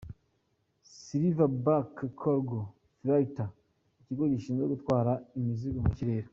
–« Silverback Cargo Freighters », ikigo gishinzwe gutwara imizigo mu kirere.